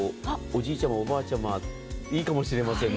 おじいちゃま、おばあちゃまいいかもしれません。